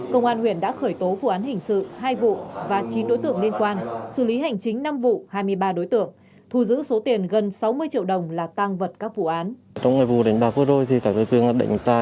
công an huyện đã khởi tố vụ án hình sự hai vụ và chín đối tượng liên quan xử lý hành chính năm vụ hai mươi ba đối tượng thu giữ số tiền gần sáu mươi triệu đồng là tang vật các vụ án